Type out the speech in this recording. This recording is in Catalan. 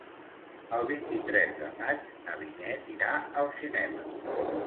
El vint-i-tres de maig na Vinyet irà al cinema.